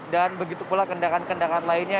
dan begitu pula kendaraan kendaraan lainnya